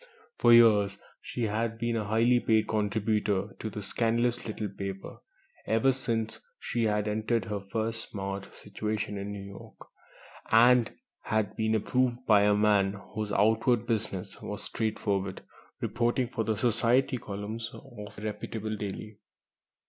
For years she had been a highly paid contributor to the scandalous little paper, ever since she had entered her first "smart" situation in New York, and had been approved by a man whose outward business was straightforward reporting for the "Society" columns of a reputable daily.